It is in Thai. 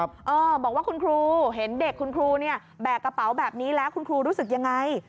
บอกว่าคุณครูเห็นเด็กคุณครูเนี่ยแบกกระเป๋าแบบนี้แล้วคุณครูรู้สึกยังไง